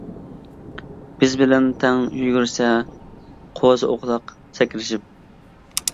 بىز بىلەن تەڭ يۈگۈرسە، قوزا-ئوغلاق سەكرىشىپ.